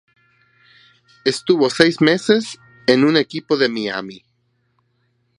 Estuvo seis meses en un equipo de Miami.